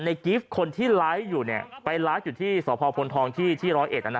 ในกิฟต์คนที่ร้ายอยู่เนี่ยไปร้ายอยู่ที่ส่อพอพลทองที่ที่ร้อยเอ็ดน่ะ